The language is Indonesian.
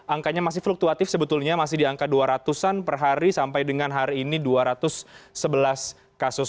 angkanya masih fluktuatif sebetulnya masih di angka dua ratus an per hari sampai dengan hari ini dua ratus sebelas kasus